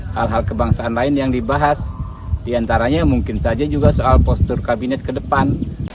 hal hal kebangsaan lain yang dibahas diantaranya mungkin saja juga soal postur kabinet ke depan